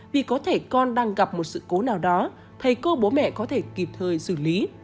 vì có thể con đang gặp một sự cố nào đó thầy cô bố mẹ có thể kịp thời xử lý